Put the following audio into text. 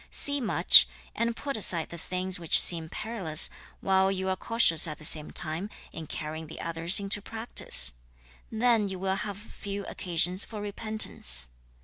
See much and put aside the things which seem perilous, while you are cautious at the same time in carrying the others into practice: then you will have few occasions for repentance.